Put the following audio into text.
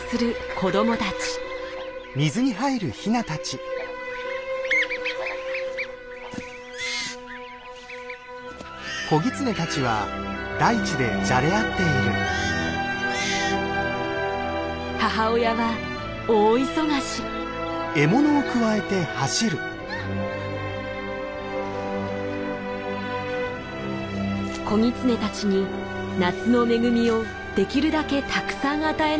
子ギツネたちに夏の恵みをできるだけたくさん与えなければならない。